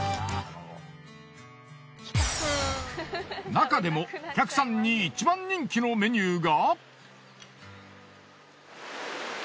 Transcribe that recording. なかでもお客さんに一番人気のメニューが。